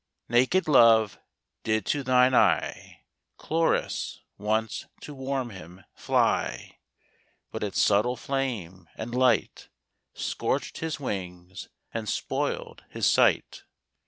Naked Love did to thine eye, Chloris, once to warm him, fly; But its subtle flame, and light, Scorch'd his wings, and spoiled his sight.